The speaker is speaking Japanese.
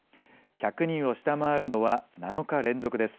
１００人を下回るのは７日連続です。